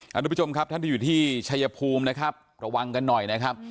ทุกผู้ชมครับท่านที่อยู่ที่ชายภูมินะครับระวังกันหน่อยนะครับ